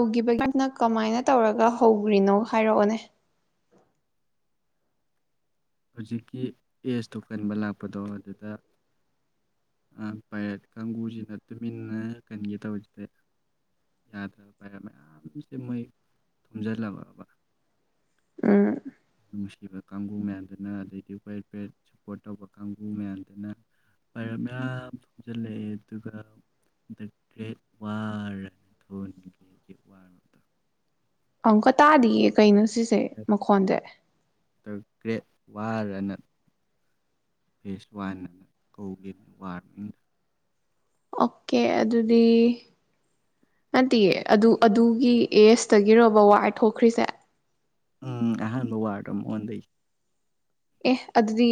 ꯍꯧꯒꯤꯕꯒꯤ ꯍꯥꯟꯅ ꯀꯃꯥꯏꯅ ꯇꯧꯔꯒ ꯍꯧꯔꯤꯅꯣ ꯍꯥꯏꯔꯛꯑꯣꯅꯦ ꯍꯧꯖꯤꯛꯀꯤ ꯑꯦꯁ ꯇꯣ ꯀꯥꯟꯕ ꯂꯥꯛꯄꯗꯣ ꯑꯗꯨꯗꯥ ꯄꯥꯏꯔꯠ ꯀꯥꯡꯕꯨ ꯁꯤꯅꯥ ꯇꯨꯃꯤꯟꯅ ꯀꯟꯒꯦ ꯇꯧꯕ ꯌꯥꯗꯕ ꯄꯥꯏꯔꯠ ꯃꯌꯥꯝ ꯁꯦ ꯃꯣꯏ ꯎꯝꯖꯤꯟꯂꯕ ꯑ [unintelligible] ꯀꯥꯡꯕꯨ ꯃꯌꯥꯝ [unintelligible] ꯑꯃꯨꯛꯀꯥ ꯇꯥꯗꯤꯌꯦ ꯀꯩꯅꯣ ꯁꯤꯁꯦ ꯃꯈꯣꯜꯖꯦ ꯒꯔꯦꯠ ꯋꯥꯔ ꯑꯥꯅ [unintelligible] ꯋꯥꯟ ꯇꯨꯒꯤ [unintelligible] ꯑꯣꯀꯦ ꯑꯗꯨꯗꯤ ꯅꯠꯇꯤꯌꯦ ꯑꯗꯨ ꯑꯗꯨꯒꯤ ꯑꯦꯁ ꯇꯥꯒꯤꯔꯣꯕ ꯋꯥꯔ ꯇꯣꯛꯈ꯭ꯔꯤꯁꯦ ꯎꯝ ꯑꯍꯥꯟꯕ ꯋꯥꯔꯗꯣ ꯑꯣꯟꯕꯩ ꯑꯦ ꯑꯗꯨꯗꯤ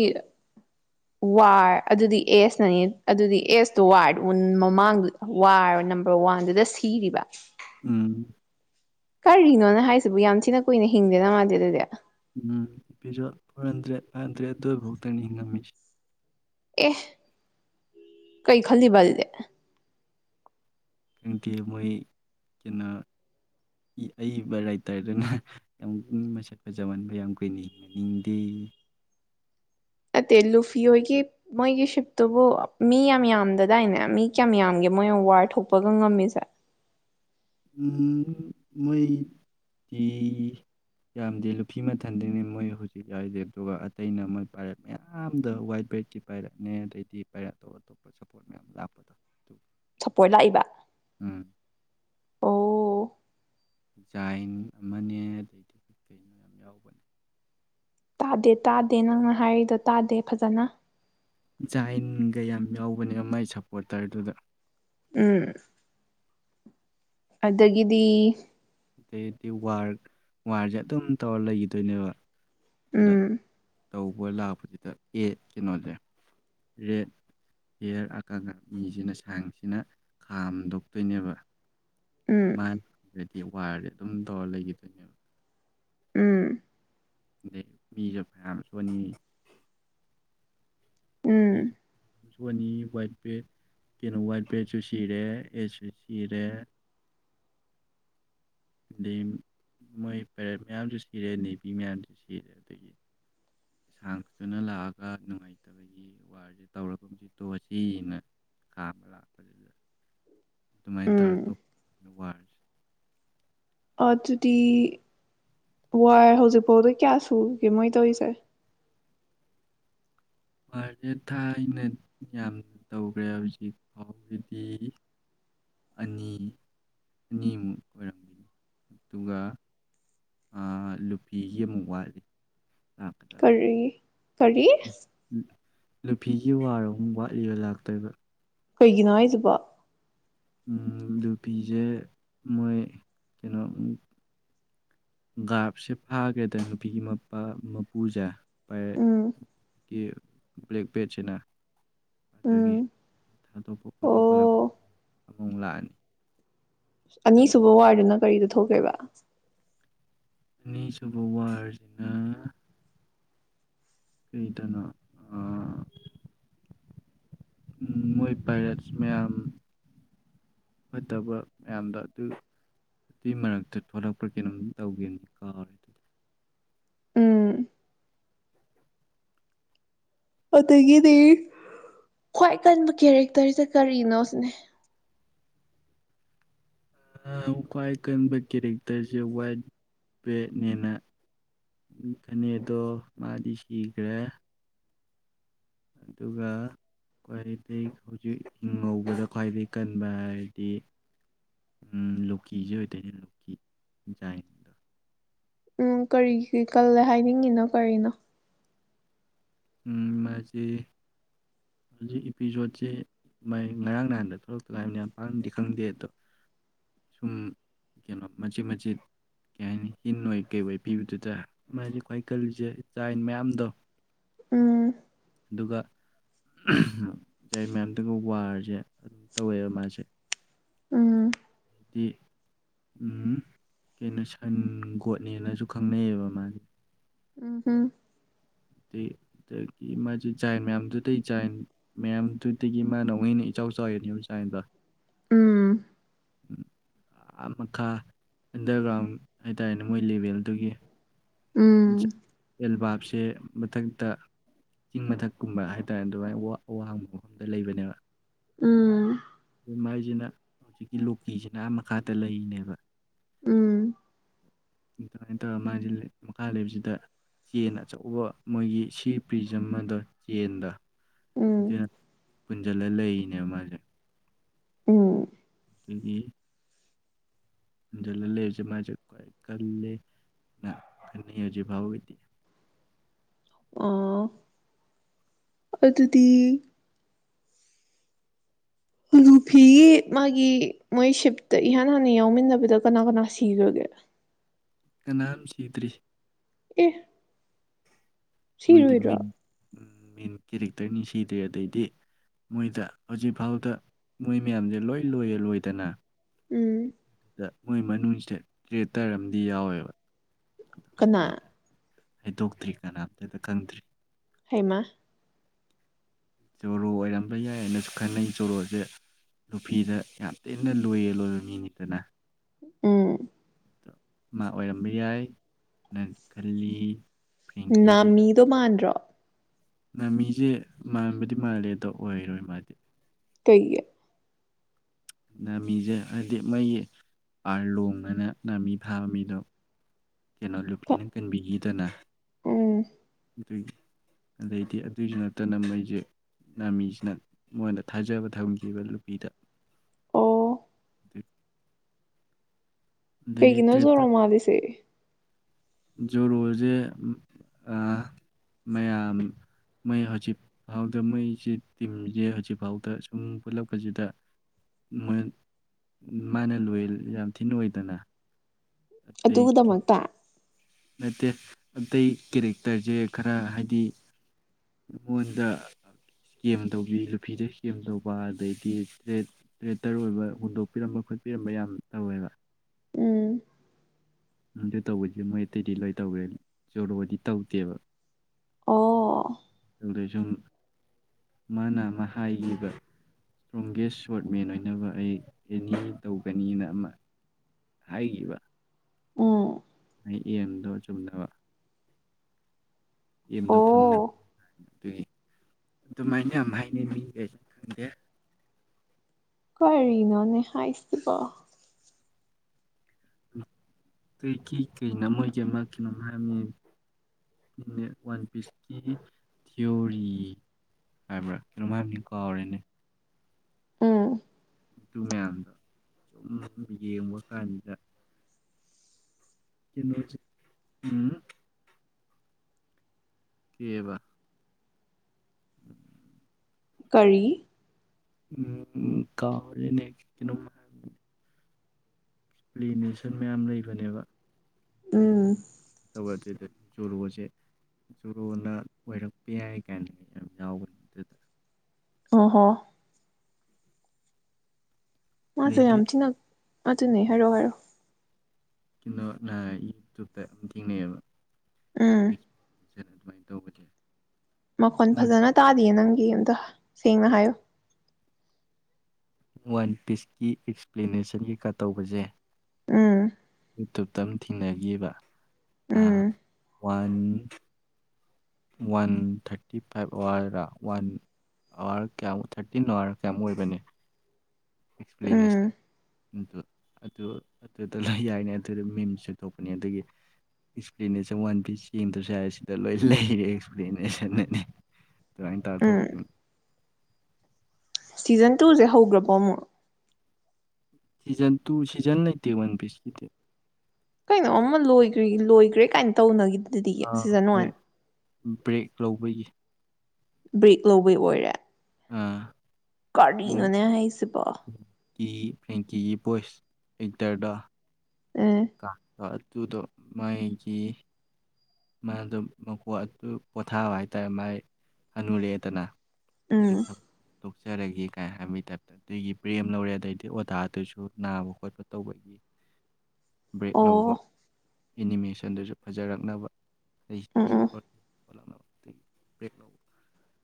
ꯋꯥꯔ ꯑꯗꯨꯗꯤ ꯑꯦꯁ ꯅꯥꯅꯤ ꯑꯗꯨꯗꯤ ꯑꯦꯁ ꯇꯣ ꯋꯥꯔ ꯃꯥꯃꯥꯡꯗꯨꯗ ꯋꯥꯔ ꯅꯝꯕꯔ ꯋꯥꯟꯗꯨꯗꯥ ꯁꯤꯔꯤꯕ ꯎꯝ ꯀꯥꯔꯤꯅꯣꯅꯦ ꯍꯥꯏꯁꯤꯕꯨ ꯌꯥꯝ ꯊꯤꯅꯥ ꯀꯨꯏꯅ ꯍꯤꯡꯗꯦꯅ ꯃꯥꯗꯤ ꯑꯗꯨꯗꯤ ꯎꯝ [unintelligible] ꯍꯟꯗꯔꯦꯠ ꯇꯨꯕꯨꯛ ꯇꯪꯅꯦ ꯍꯤꯡꯉꯝꯃꯤꯁꯦ ꯑꯦ ꯀꯩ ꯈꯜꯂꯤꯕ ꯑꯗꯨꯗꯤ [unintelligible] ꯃꯣꯏ ꯀꯩꯅꯣ ꯑꯌꯤꯕ ꯔꯥꯏꯇꯔꯗꯨꯅ ꯃꯤ ꯃꯁꯛ ꯐꯥꯖꯥ ꯃꯟꯕꯟ ꯌꯥꯝ ꯀꯨꯏꯅ ꯍꯤꯡꯗꯦꯌꯦ ꯅꯠꯇꯦ ꯂꯨꯐꯤ ꯍꯣꯏꯒꯤ ꯃꯣꯏꯒꯤ ꯁꯤꯄꯇꯨꯕꯨ ꯃꯤ ꯌꯥꯝ ꯌꯥꯝꯗꯥꯗꯥꯏꯅꯦ ꯃꯤ ꯀꯌꯥꯝ ꯌꯥꯝꯒꯦ ꯃꯣꯏꯅ ꯋꯥꯔ ꯊꯣꯛꯄꯒ ꯉꯝꯃꯤꯁꯦ [unintelligible] ꯃꯤ ꯗꯤ ꯌꯥꯝꯗꯦ ꯂꯨꯐꯤ ꯃꯥꯊꯟꯇꯥꯅꯦ ꯃꯣꯏ ꯍꯧꯖꯤꯛ ꯌꯥꯎꯖꯦ ꯑꯗꯨꯒ ꯑꯇꯩꯅ ꯃꯣꯏ ꯄꯥꯏꯔꯠ ꯃꯥꯌꯥꯝꯗꯣ ꯍ꯭ꯋꯥꯠ ꯕ꯭ꯔꯦꯛꯀꯤ ꯄꯥꯏꯔꯠꯅꯦ ꯑꯗꯩꯗꯤ ꯄꯥꯏꯔꯠ ꯑꯇꯣꯞ ꯑꯇꯣꯞꯄꯁꯨ ꯁꯥꯄ꯭ꯔꯣꯠ ꯃꯥꯌꯥꯝꯁꯨ ꯂꯥꯛꯄꯗꯣ ꯑꯗꯨꯒꯤ ꯁꯥꯄ꯭ꯔꯣꯠ ꯂꯥꯛꯏꯕ ꯑꯣ ꯖꯥꯏꯟ ꯑꯃꯅꯦ ꯑꯥꯗꯩ ꯀꯩ ꯀꯩꯅꯦ ꯃꯥꯌꯥꯝ ꯌꯥꯎꯕꯅꯦ ꯇꯥꯗꯦ ꯇꯥꯗꯦ ꯅꯪ ꯍꯥꯏꯔꯤꯗꯣ ꯇꯥꯗꯦ ꯐꯖꯅ ꯖꯥꯏꯟꯒ ꯌꯥꯝ ꯌꯥꯎꯕꯅꯦ ꯃꯥꯏ ꯁꯥꯄ꯭ꯔꯣꯠꯇꯔ ꯗꯨꯗ ꯎꯝ ꯑꯥꯗꯥꯒꯤꯗꯤ ꯑꯥꯗꯩꯗꯤ ꯋꯥꯔ ꯋꯥꯔꯖꯦ ꯑꯗꯨꯝ ꯊꯧꯔꯥ ꯂꯩꯒꯤꯗꯣꯏꯅꯦꯕ ꯎꯝ ꯇꯧꯕ ꯂꯥꯛꯐꯥꯁꯤꯗꯥ ꯍꯧꯖꯤꯛ ꯀꯩꯅꯣꯖꯦ ꯔꯦꯠ [unintelligible] ꯃꯤꯖꯤꯅ [unintelligible] ꯈꯥꯝꯗꯣꯛꯇꯣꯏꯅꯦꯕ ꯎꯝ ꯋꯥꯔꯖꯦ ꯑꯗꯨꯝ ꯊꯧꯔꯥ ꯂꯩꯒꯤꯗꯣꯏꯅꯦꯕ ꯎꯝ ꯑꯥꯗꯩ ꯃꯤꯒꯥ ꯃꯥꯌꯥꯝ ꯁꯣꯛꯑꯥꯅꯤ ꯎꯝ ꯍ꯭ꯋꯥꯠ ꯕ꯭ꯔꯦꯛ ꯀꯩꯅꯣ ꯍ꯭ꯋꯥꯠ ꯕ꯭ꯔꯦꯛꯁꯨ ꯁꯤꯔꯦ ꯑꯦꯁꯁꯨ ꯁꯤꯔꯦ ꯑꯥꯗꯩ ꯃꯣꯏ ꯄꯥꯏꯔꯠ ꯃꯥꯌꯥꯝꯁꯨ ꯁꯤꯔꯦ ꯅꯦꯕꯤ ꯃꯥꯌꯥꯝꯁꯨ ꯁꯤꯔꯦ ꯑꯥꯗꯒꯤ [unintelligible] ꯂꯥꯛꯑꯥꯒ ꯅꯨꯡꯉꯥꯏꯇꯥꯕꯒꯤ ꯋꯥꯔꯖꯦ ꯇꯧꯔꯥꯒꯨꯝꯁꯤ ꯇꯣꯛꯑꯥꯖꯤꯅꯥ ꯈꯥꯝꯕ ꯂꯥꯛꯄꯥꯖꯤꯗ ꯑꯗꯨꯃꯥꯏ ꯎꯝ ꯇꯧꯔꯥꯒ ꯇꯣꯛꯄ ꯋꯥꯔꯖꯦ ꯑꯗꯨꯗꯤ ꯋꯥꯔ ꯍꯧꯖꯤꯛ ꯐꯥꯎꯗꯥ ꯀꯥꯌꯥ ꯁꯨꯒꯦ ꯃꯣꯏ ꯇꯧꯔꯤꯖꯦ ꯋꯥꯔꯖꯦ ꯊꯥꯢꯅꯗꯤ ꯌꯥꯝ ꯇꯧꯒ꯭ꯔꯦ ꯍꯧꯖꯤꯛ ꯐꯥꯎꯒꯤꯗꯤ ꯑꯅꯤ ꯑꯅꯤꯃꯨꯛ ꯑꯣꯏꯔꯝꯒꯅꯤ ꯑꯗꯨꯒ ꯂꯨꯐꯤ ꯑꯃꯨꯛ ꯋꯥꯠꯂꯤ ꯂꯥꯛꯀꯗꯕ ꯀꯥꯔꯤ ꯀꯥꯔꯤ ꯂꯨꯐꯤꯒꯤ ꯋꯥꯔ ꯑꯍꯨꯝ ꯋꯥꯠꯂꯤꯕ ꯂꯥꯛꯇꯣꯏꯕ ꯀꯩꯒꯤꯅꯣ ꯍꯥꯏꯁꯤꯕꯣ ꯎꯝ ꯂꯨꯐꯤꯖꯦ ꯃꯣꯏ ꯀꯩꯅꯣ ꯒꯥꯄ ꯁꯦ ꯐꯥꯒ꯭ꯔꯦꯗꯥꯅ ꯅꯨꯄꯤ ꯃꯄꯥ ꯃꯄꯨꯖꯦ ꯎꯝ ꯄꯥꯏꯔꯠꯀꯤ ꯕ꯭ꯔꯦꯛ ꯕꯦꯠ ꯁꯤꯅ ꯑꯗꯨꯒꯤ ꯎꯝ ꯊꯥꯗꯣꯛꯄ ꯑꯣ ꯈꯣꯊꯣꯛꯄ ꯂꯥꯛꯄ [unintelligible] ꯂꯥꯛꯑꯅꯤ ꯑꯅꯤ ꯁꯨꯕ ꯋꯥꯔ ꯗꯨꯅ ꯀꯥꯔꯤꯗꯥ ꯊꯣꯛꯈ꯭ꯔꯤꯕꯥ ꯑꯅꯤ ꯁꯨꯕ ꯋꯥꯔ ꯖꯤꯅ ꯀꯔꯤꯇꯅꫭ ꯑꯥ ꯃꫭꯏ ꯄꯥꯏꯔꯁ ꯃꯌꯥꯝ ꯑꫭꯏꯇꯕ ꯃꯌꯥꯝꯗ ꯑꯗꯨ ꯑꯇꯨꯏ ꯃꯔꯛꯇ ꯊꫭꯔꯛꯄꯔ ꯀꯩꯅꫭꯝ ꯇꯧꯒꯤꯃꯤ ꯉꯥꯎꯔ‌ꯦ ꯎꯝ ꯑꯗꯒꯤꯗꯤ ꯈꯥꯎ ꯀꯟꯕ ꯀꯔ‌ꯦꯛꯇꯔꯁꯤ ꯀꯔꯤꯅꫭꯁꯤꯅꯤ ꯑꯥ ꯈꯥꯎ ꯀꯔꯛꯇꯔꯁ‌ꯦ ꯋꯥꯠ ꯄ‌ꯦꯠꯅ‌ꯦꯅ ꯑꯅꯤꯗꫭ ꯃꯥꯗꯤ ꯁꯤꯒꯔ‌ꯦ ꯑꯗꯨꯒ ꯀꯥꯏꯗꯩ ꯍꯧꯖꯤꯛ ꯍꯤꯡꯍꯧꯕꯗ ꯖꯥꯏꯗ‌ꯩ ꯀꯟꯕ ꯍꯥꯏꯔꯗꯤ ꯑꯝ ꯂꯨꯀꯤ ꯑꫭꯏꯗꫭꯅꯤ ꯂꯨꯀꯤ ꯖꯥꯏꯟꯗꫭ ꯑꯝ ꯀꯔꯤꯒꯤ ꯀꯜꯂ‌ꯦ ꯍꯥꯏꯅꯤꯡꯉꯤꯅꫭ ꯀꯔꯤꯅꫭ ꯑꯝ ꯃꯥꯖ‌ꯦ ꯃꯥꯖ‌ꯦ ꯏꯄꯤꯁꫭꯠꯁ‌ꯦ ꯃꯥꯏ ꯉꯥꯔꯥꯡ ꯅꯥꯍꯥꯟꯗ ꯊꫭꯂꯛꯇ ꯉꯥꯏꯃꯤꯅ ꯄꯛꯅꯗꯤ ꯈꯪꯗ‌ꯦ ꯑꯗꫭ ꯁꯨꯝ ꯀꯩꯅꫭ ꯃꯆꯤꯠ ꯃꯆꯤꯠ ꯀꯩꯍꯥꯏꯅꯤ ꯍꯤꯟꯑꫭꯏ ꯀꯩꯑꫭꯏ ꯄꯤꯕꯗꯨꯗ ꯃꯥꯖꯤ ꯈꯥꯎ ꯀꯜꯂꯤꯖ‌ꯦ ꯖꯥꯏ ꯃꯌꯥꯝꯗꫭ ꯎꯝ ꯑꯗꯨꯒ ꯖꯥꯏꯟ ꯃꯌꯥꯝꯗꯨꯒ ꯋꯥꯔꯖ‌ꯦ ꯑꯗꯨꯝ ꯍꯧꯋ‌ꯦꯕ ꯃꯥꯖ‌ꯦ ꯎꯝ ꯍꯥꯏꯗꯤ ꯎꯝ ꯑꯩꯅꫭ ꯁꯟ ꯒꫭꯠꯅ‌ꯦꯅꯁꯨ ꯖꯪꯅꯩꯕ ꯎꯝ ꯍꯝ ꯑꯗꯩ ꯑꯗꯒꯤ ꯃꯖ‌ꯦ ꯖꯥꯏꯟ ꯃꯌꯥꯝꯗꯨꯗꯩ ꯖꯥꯏꯟ ꯃꯌꯥꯝꯗꯨꯗꯒꯤ ꯃꯥꯅꯃꯨꯛ ꯍ‌ꯦꯟꯅ ꯏꯆꯧ ꯆꯥꯎꯔꯤꯅ‌ꯦꯕ ꯖꯥꯏꯟꯗꫭ ꯎꯝ ꯑꯥ ꯃꯈꯥ ꯑꯟꯗꯔꯒꫪꯥꯎ ꯍꯥꯏꯇꯔ‌ꯦꯅ‌ꯦ ꯃꫭꯏ ꯂ‌ꯦꯕ‌ꯦꯟꯗꯨꯒꯤ ꯎꯝ ꯍꯤꯡꯆꯥ ꯑ‌ꯦꯜ ꯕꯥꯞꯁꯦ ꯃꯊꯪꯛꯇ ꯆꯤꯡ ꯃꯊꯛ ꯀꯨꯝꯕ ꯍꯥꯏꯇꯥꯏ ꯑꯗꯨꯃꯥꯏ ꯋꯥꯡꯕ ꯃꯐꯝꯗ ꯂꯩꯕꯅ‌ꯦꯕ ꯎꯝ ꯑꯨꯝ ꯍꯥꯏꯖꯤꯅ ꯍꯧꯖꯤꯛꯀꯤ ꯁꯤꯅ ꯃꯈꯥꯗ ꯂꯩꯔꯤꯅ‌ꯦꯕ ꯎꯝ ꯎꯝ ꯎꯝ ꯇꯨꯏꯗꯤ ꯄꯨꯟꯖꯜ ꯂꯩꯕꯁ‌ꯦ ꯃꯖꯨ ꯈꯥꯏ ꯀꯜꯂ‌ꯦ ꯀꯟꯅꯩ ꯇꯧꯖꯤꯛ ꯐꯥꯎꯒꯤꯗꯤ ꯑꫭ ꯑꯗꯨꯇꯤ ꯍꫭꯂꯨꯐꯤꯒꯤ ꯃꯥꯒꯤ ꯃꫭꯏ ꯁꯤꯞꯇ ꯏꯍꯥꯟ ꯍꯥꯟꯅꯥ ꯌꯥꯎꯃꯤꯟꯅꯕꯗ ꯀꯥꯅ ꯀꯥꯅ ꯁꯤꯒ‍꯭ꯔꯥꯒ‌ꯦ ꯀꯅꯥꯝ ꯁꯤꯗ‍꯭ꫪꯤ ꯑ‌ꯦ ꯃꯤꯗꯤ ꯃꯤꯟ ꯃ‌ꯦꯟ ꯀꯔ‌ꯦꯛ ꯇꯔꯅꯤ ꯁꯤꯗ‍꯭ꯔꯤ ꯑꯗꯩꯗꯤ ꯃꫭꯏꯗ ꯍꯧꯖꯤꯛ ꯐꯥꯎꯗ ꯃꫭꯏ ꯃꯌꯥꯝꯁ‌ꯦ ꯂꫭꯏ ꯂꫭꯏꯌ‌ꯦꯟ ꯑꫭꯏꯗꯅ ꯎꯝ ꯃꫭꯏ ꯃꯅꯨꯡꯁ‌ꯦ ꯀꯔ‌ꯦꯇꯔ ꯑꯝꯗꯤ ꯌꯥꯎꯋ‌ꯦꯕ ꯀꯅꯥ ꯍꯥꯏꯗꫭꯛꯇꯔꯤ ꯀꯅꯥꯝ ꯇꯥꯗ ꯈꯪꯗꯔꯤ ꯍꯩꯃꯥ ꯖꫭꯔꫭ ꯑꫭꯏꯔꯝꯕ ꯌꯥꯏꯁꯨ ꯈꯪꯅꯩ ꯖꫭꯔꫭꯁ‌ꯦ ꯂꯨꯐꯤꯅ ꯌꯥꯝ ꯊꯤꯅ ꯂꫭꯌ‌ꯦꯟ ꯑꫭꯏꯕ ꯃꯤꯅꯤꯗꯅ ꯎꯝ ꯇꫭ ꯃꯥ ꯑꫭꯏꯔꯝꯕ ꯌꯥꯏꯅ ꯈꯜꯂꯤ ꯅꯥꯃꯤꯗꫭ ꯃꯟꯗ꯭ꯔꫭ ꯅꯃꯤꯖ‌ꯦ ꯃꯟꯕꯨꯗꯤ ꯃꯜꯂ‌ꯦ ꯑꯗꫭ ꯑꫭꯏꯔꫭꯏ ꯃꯥꯗꯤ ꯀꯩꯒꯤ ꯅꯥꯃꯤꯖ‌ꯦ ꯍꯥꯏꯗꯤ ꯃꯩ ꯑꯔꯂꫭꯡꯅꯅ‌ꯦ ꯅꯃꯤ ꯐꯥꯕ ꯃꯤꯗꫭ ꯀꯩꯅꫭ ꯂꯨꯐꯤꯅ ꯀꯟꯕꯤꯒꯤ ꯇ‌ꯦꯅ ꯑꯝ ꯑꯗꯨꯏꯅꯤ ꯑꯗꯨꯏꯗꯤ ꯑꯗꯨꯖꯨꯅꯠꯇꯅ ꯃꫭꯏꯖ‌ꯦ ꯅꯟꯃꯤꯁꯤꯅ ꯃꫭꯏꯗ ꯊꯥꯖꯕ ꯊꯝꯈꯤꯕ ꯂꯨꯐꯤꯗ ꯑꯣ [unintelligible] ꯑꯗꯩꯗꯤ ꯀꯩꯒꯤꯅꫭ ꯖꫭꯔꫭꯃꯜꯂꯤꯁ‌ꯦ ꯖꫭꯔꫭꯖ‌ꯦ ꯑꯥ ꯃꯌꯥꯝ ꯃꫭꯏꯍꯖꯤꯠ ꯐꯥꯎꯗ ꯃꫭꯁ‌ꯦ ꯇꯤꯝꯖ‌ꯦ ꯍꯧꯖꯤꯛ ꯐꯥꯎꯗ ꯁꯨꯝ ꯄꯨꯜꯂꯛꯄꯖꯤꯗ ꯃꫭꯏꯌ‌ꯦꯟ ꯃꯥꯅ ꯂꫭꯌ‌ꯦꯟ ꯌꯥꯝꯊꯤꯅ ꯑꫭꯏꯗꯅ ꯑꯗꯨꯗꯃꯛꯇ ꯅꯇꯦ ꯑꯇꯩ ꯀꯦꯔꯦꯛꯇ꯭ꯔ ꯖꯦ ꯈꯔ ꯍꯥꯏꯗꯤ [unintelligible] ꯉꯣꯟꯗ ꯁ꯭ꯀꯦꯝ ꯏꯧꯕꯤ ꯅꯨꯄꯤꯗ ꯁ꯭ꯀꯦꯝ ꯇꯧꯕ ꯇ꯭ꯔꯦꯇꯔ ꯑꯪꯏꯕ ꯍꯨꯟꯇꯣꯛꯄꯤꯔꯝꯕ ꯈꯣꯠꯄꯤꯔꯝꯕ ꯌꯥꯝ ꯇꯧꯋꯦꯕꯥ꯫ ꯎꯝ ꯑꯗꯨ ꯇꯧꯕꯖꯤꯗ ꯃꯣꯏ ꯑꯇꯩꯗꯤ ꯂꯣꯏ ꯇꯧꯒ꯭ꯔꯦ ꯖꯣꯔꯣꯗꯤ ꯇꯧꯗꯦꯕ꯫ ꯑꯣ [unintelligible] ꯅ ꯑꯃ ꯍꯥꯏꯒꯤꯕ ꯁꯇ꯭ꯔꯣꯡꯒꯦꯁ ꯁ꯭ꯋꯣꯔꯗꯃꯦꯟ ꯑꯣꯏꯅꯕ ꯑꯦꯅꯤ ꯇꯧꯒꯅꯤꯅ ꯍꯥꯏꯒꯥꯕ꯫ ꯑꯣ꯫ ꯑꯦꯝꯗꯣ ꯆꯨꯝꯅꯕ ꯑꯏꯃꯗꯣ ꯐꯪꯅꯥꯕ ꯑꯣ ꯑꯗꯨꯒꯤ ꯑꯗꯨꯃꯥꯏꯅ ꯌꯥꯝ ꯍꯥꯏꯅꯩ ꯃꯤꯒꯩꯅ ꯈꯪꯗꯦ꯫ ꯀꯔꯤꯅꯣꯅꯦ ꯍꯥꯏꯁꯤꯕꯣ꯫ [unintelligible] ꯃꯣꯏꯒꯤ ꯑꯃ ꯀꯩꯅꯣꯝ ꯍꯥꯏꯕꯅꯤꯅꯦ [unintelligible] ꯋꯥꯟ ꯄꯤꯁꯀꯤ ꯊꯤꯑꯣꯔꯤ ꯍꯥꯏꯕ꯭ꯔ ꯀꯩꯅꯣꯝ ꯍꯥꯏꯕꯅꯦ ꯀꯥꯎꯔꯦꯅꯦ [unintelligible] ꯑꯗꯨ ꯃꯌꯥꯝꯗꯣ ꯁꯨꯝ ꯌꯦꯡꯕ ꯀꯥꯟꯗ꯫ ꯀꯩꯅꯣꯖꯦ ꯎꯪ꯫ ꯀꯦꯕ꯫ ꯀꯔꯤ꯫ ꯑꯨꯝ ꯀꯥꯎꯔꯦꯅꯦ ꯀꯩꯅꯣꯝ ꯍꯥꯏꯕꯅꯤꯅꯦ꯫ ꯑꯦꯛꯁꯄ꯭ꯂꯦꯅꯦꯁꯟ ꯃꯌꯥꯝ ꯂꯩꯕꯅꯦꯕ꯫ ꯑꯨꯝ꯫ [unintelligible] ꯑꯗꯨꯗ ꯖꯣꯔꯣꯖꯦ ꯖꯣꯔꯣꯅ ꯑꯣꯏꯔꯛꯄ ꯌꯥꯏ ꯀꯥꯏꯅ ꯌꯥꯝ ꯌꯥꯎꯕꯅꯦ ꯑꯗꯨꯗ꯫ ꯑꯣꯍꯣ꯫ ꯑꯗꯩꯗꯤ ꯌꯥꯝ ꯊꯤꯅ꯫ ꯑꯗꯨꯅꯦ ꯍꯥꯏꯔꯛꯑꯣ ꯍꯥꯏꯔꯣ꯫ [unintelligible] ꯌꯨꯇꯨꯕꯇ ꯌꯥꯝ ꯊꯦꯡꯉꯩꯌꯦꯕ꯫ ꯑꯨꯝ꯫ [unintelligible] ꯃꯈꯣꯟ ꯃꯣꯏ ꯐꯖꯅ ꯇꯥꯗꯤꯌꯦ ꯅꯪ꯫ ꯑꯝꯇ ꯁꯦꯡꯅ ꯍꯥꯏꯌꯣ ꯋꯥꯟ ꯄꯤꯁꯀꯤ ꯑꯦꯛꯁꯄ꯭ꯂꯦꯅꯦꯁꯟ ꯀꯩꯀꯥ ꯇꯧꯕꯖꯦ꯫ ꯎꯝ [unintelligible] ꯑꯃ ꯊꯦꯡꯅꯒꯤꯕ꯫ ꯑ ꯎꯝ ꯋꯥꯟ [unintelligible] ꯋꯥꯟ ꯊ꯭ꯔꯇꯤꯐꯥꯏꯐ ꯑꯥꯋ꯭ꯔꯔꯥ ꯋꯥꯟ ꯑꯥꯋ꯭ꯔ ꯀꯌꯥꯃꯨꯛ ꯊ꯭ꯔꯇꯤꯟ ꯑꯥꯋ꯭ꯔꯔꯥ ꯀꯌꯥꯃꯨꯛ ꯑꯣꯏꯕꯅꯦ꯫ ꯎꯝ ꯑꯦꯛꯁꯄ꯭ꯂꯦꯅꯦꯁꯟ꯫ [unintelligible] ꯑꯗꯨ ꯑꯗꯨꯗ ꯂꯣꯏ ꯌꯥꯏꯅꯦ ꯑꯗꯨꯗ ꯃꯤꯝꯁꯁꯨ ꯊꯣꯛꯄꯅꯦ ꯑꯗꯨꯒꯤ ꯑꯦꯛꯁꯄ꯭ꯂꯦꯅꯦꯁꯟ ꯋꯥꯟ ꯄꯤꯁ ꯌꯦꯡꯗ꯭ꯔꯁꯨ ꯌꯥꯔꯦ ꯁꯤꯗ ꯂꯣꯏ ꯂꯩꯔꯦ ꯑꯦꯛꯁꯄ꯭ꯂꯦꯅꯦꯁꯟ꯫ ꯎꯝ [unintelligible] [unintelligible] ꯁꯤꯖꯟ ꯇꯨ ꯖꯦ ꯍꯧꯒ꯭ꯔꯕꯣ ꯑꯃꯨꯛ꯫ ꯁꯤꯖꯟ ꯇꯨ ꯁꯤꯖꯟ ꯂꯩꯇꯦ ꯋꯥꯟ ꯄꯤꯁꯀꯤꯗꯤ ꯀꯩꯅꯣ ꯑꯃ ꯂꯣꯏꯒ꯭ꯔꯤ ꯂꯪꯏꯒ꯭ꯔꯦ ꯀꯥꯏꯅ ꯇꯧꯅꯒꯤ ꯑ ꯕ꯭ꯔꯦꯛ ꯂꯧꯕꯒꯤ꯫ ꯕ꯭ꯔꯦꯛ ꯂꯧꯕꯩ ꯑꯣꯏꯔꯦ꯫ ꯑ꯫ ꯀꯔꯤꯅꯣꯅꯦ ꯍꯥꯏꯁꯤꯕꯣ [unintelligible] ꯎꯝ ꯀꯥꯗꯣ ꯑꯗꯨꯗꯣ ꯃꯥꯒꯤ ꯄꯣꯊꯥꯕ ꯍꯥꯏꯇꯥ ꯃꯥꯏ ꯍꯥꯅꯨꯔꯦꯗꯅ ꯎꯝ [unintelligible] ꯇꫭꯛꯆꯥꯔꯒꯦ ꯍꯥꯏꯕꯒꯤ ꯇꯥꯏꯞꯇ ꯄꯔꯦꯝ ꯂꯩꯔꯦ ꯑꫭꯖꯗꯨꯁꯨ ꯅꯥꯕ ꯈꯣꯠꯄ ꯇꯧꯕ ꯕꯔ꯭ꯦꯛ ꯂꯧꯕ ꯑꯣ ꯏꯅꯤꯃꯦꯁꯟꯗꯁꯨ ꯐꯖꯔꯛꯅꯕ ꯎꯝ ꯎꯝ [unintelligible] [inaudible]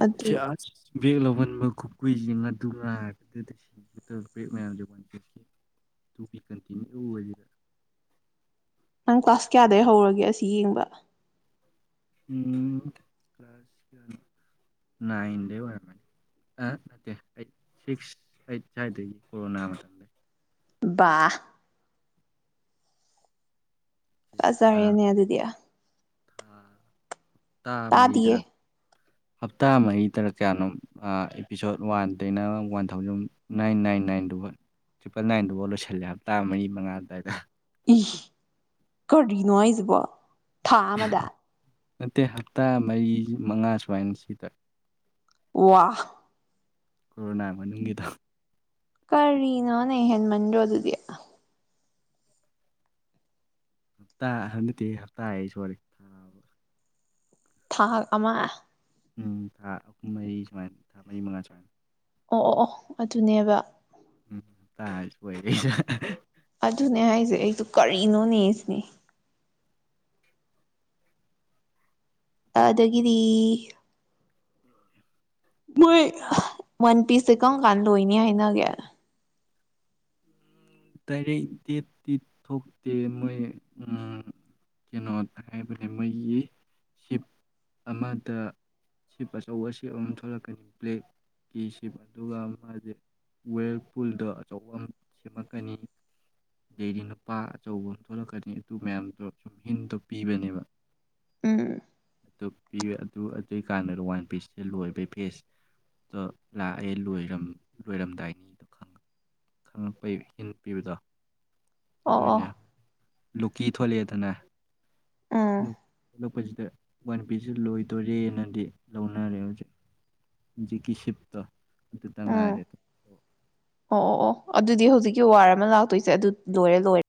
ꯑꯗꯨ [unintelligible] ꯅꯪ ꯀꯂ꯭ꯥꯁ ꯀꯌꯥꯗꯒꯤ ꯍꯧꯔꯒꯦ ꯑꯁꯤ ꯌꯦꯡꯕ ꯎꯝ ꯀꯂꯥꯁ ꯀꯌꯥꯅꫭ ꯅꯥꯏꯟꯗꯩ ꯑꯣꯏꯔꯝꯃꯅꯤ ꯑꯩ ꯅꯠꯇꯦ ꯑꯥꯠ ꯁꯤꯛ ꯁꯨꯋꯥꯏꯗꯩ ꯀꫭꫪꫭꯅ ꯃꯇꯝꯗꯩ ꯕꯥ ꯊꯥ ꯐꯖꯔꯦꯅꯦ ꯑꯗꯨꯗꯤ [unintelligible] ꯊꯥ ꯇꯥꯗꯤꯌꯦ ꯃꯔꯤꯗꯔ ꯍꯥꯞꯇꯥ ꯃꯔꯤꯗꯔꯥ ꯀꯌꯥꯅꯣꯝ ꯑꯥ ꯏꯄꯤꯁꯣꯗ ꯋꯥꯟꯗꯩꯅ one thousand nine nine nine ꯇꯔꯤꯄꯟ ꯅꯥꯏꯟ ꯗꯨ ꯐꯥꯎ ꯂꫭꯏꯁꯤꯂꯦ ꯍꯥꯞꯇꯥ ꯃꯔꯤ ꯃꯉꯥꯗ ꯏ ꯀꯔꯤꯅꯣ ꯍꯥꯏꯖꯤꯕꯣ ꯊꯥ ꯑꯃꯗ ꯅꯠꯇꯦ ꯍꯞꯇꯥ ꯃꯔꯤ ꯃꯉꯥ ꯁꯨꯃꯥꯏꯟ ꯁꯤꯗ ꯋꯥ ꯀꯣꯔꯣꯅꯥ ꯃꯅꯨꯡꯒꯤꯗꯣ ꯀꯔꯤꯅꯣꯅꯦ ꯍꯦꯟꯃꯟꯗꯔꯣ ꯑꯗꯨꯗꯤ ꯍꯞꯇꯥ ꯍꯥꯏꯕ ꯅꯠꯇꯦꯍꯦ ꯍꯞꯇꯥ ꯍꯥꯏ ꯁꯣꯏꯔꯦ ꯊꯥ ꯑꯃ ꯎꯝ ꯊꯥ ꯑꯍꯨꯝ ꯃꯔꯤ ꯁꯨꯃꯥꯏꯅ ꯊꯥ ꯃꯔꯤ ꯃꯉꯥ ꯁꯨꯃꯥꯏꯅ ꯑꯣ ꯑꯣ ꯑꯣ ꯑꯗꯨꯅꯦꯕ ꯎꯝ [unintelligible] ꯑꯗꯨꯅꯦ ꯍꯥꯏꯖꯦ [unintelligible] ꯀꯔꯤꯅꯣꯅꯦ ꯁꯤꯅꯤ ꯑꯗꯒꯤꯗꯤ ꯃꯣꯏ ꯋꯥꯟ ꯄꯤꯁꯁꯤ ꯀꯔꯝꯀꯥꯟ ꯂꯣꯏꯅꯤ ꯍꯥꯏꯅꯒꯦ [unintelligible] [unintelligible] [inaudible] [inaudible] [unintelligible] [unintelligible] ꯎꯝ [inaudible] [inaudible] [inaudible] ꯍꯤꯟ ꯃꯤꯕꯗꯣ ꯑꯣ ꯑꯣ [unintelligible] ꯂꯨꯀꯤ ꯊꯣꯜꯂꯦꯗꯅ꯫ ꯎꯝ ꯃꯣꯏ ꯅ ꯄꯤ ꯖꯤ ꯂꯣꯏꯗꯧꯔꯦ ꯅꯗꯤ ꯂꯧꯅꯔꯦ ꯍꯧꯖꯤꯛ ꯍꯨꯖꯤꯛꯀꯤ ꯁꯤꯞꯇꯣ ꯑꯗꯨꯗ ꯎꯝ ꯉꯥꯏꯔꯦ ꯗꯨ꯫ ꯑꯣ ꯑꯣ ꯑꯣ ꯑꯗꯨꯗꯤ ꯍꯨꯖꯤꯛꯀꯤ ꯋꯥꯔ ꯑꯃ ꯂꯥꯛꯇꯣꯏꯖꯤ ꯑꯗꯨ ꯂꯣꯏꯔꯦ ꯂꯣꯏꯔꯦ꯫